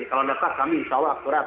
kalau nekat kami insya allah akurat